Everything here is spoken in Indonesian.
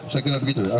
saya kira begitu